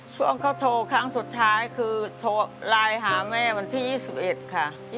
ช่วงเขาโทรครั้งสุดท้ายคือโทรไลน์หาแม่วันที่๒๑ค่ะ